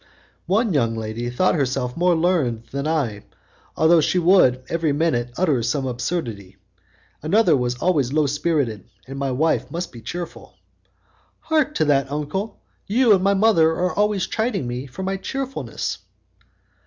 "One young lady thought herself more learned than I, although she would, every minute, utter some absurdity. Another was always low spirited, and my wife must be cheerful." "Hark to that, uncle! You and my mother are always chiding me for my cheerfulness."